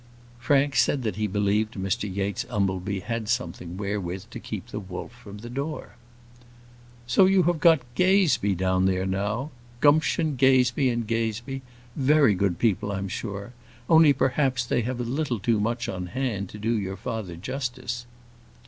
Frank said that he believed Mr Yates Umbleby had something wherewith to keep the wolf from the door. "So you have got Gazebee down there now? Gumption, Gazebee & Gazebee: very good people, I'm sure; only, perhaps, they have a little too much on hand to do your father justice."